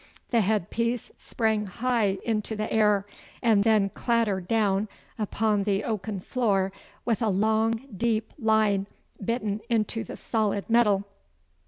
The headpiece sprang high into the air and then clattered down upon the oaken floor with a long, deep line bitten into the solid metal.